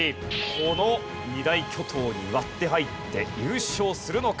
この二大巨頭に割って入って優勝するのか？